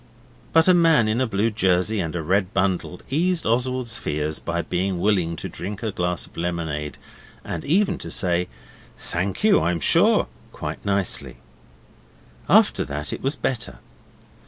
But a man in a blue jersey and a red bundle eased Oswald's fears by being willing to drink a glass of lemonade, and even to say, 'Thank you, I'm sure' quite nicely. After that it was better.